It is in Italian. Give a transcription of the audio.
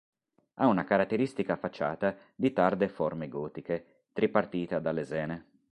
Ha una caratteristica facciata di tarde forme gotiche, tripartita da lesene.